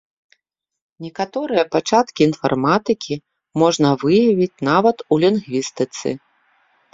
Некаторыя пачаткі інфарматыкі можна выявіць нават у лінгвістыцы.